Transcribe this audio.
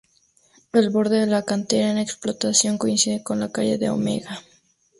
El borde de la cantera en explotación coincide con la calle de Omega.